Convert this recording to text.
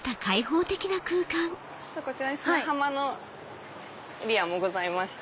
こちらに砂浜のビアもございまして。